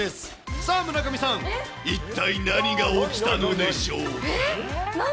さあ、村上さん、一体何が起きたのでしょうか。